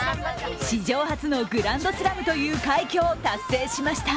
史上初のグランドスラムという快挙を達成しました。